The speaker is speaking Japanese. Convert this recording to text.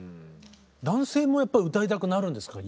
男性もやっぱ歌いたくなるんですか？